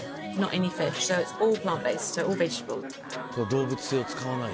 動物を使わない。